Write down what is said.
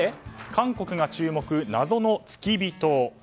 韓国が注目謎の付き人。